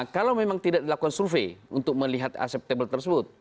kalau memang tidak dilakukan survei untuk melihat acceptable tersebut